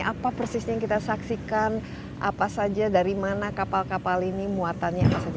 apa persisnya yang kita saksikan apa saja dari mana kapal kapal ini muatannya apa saja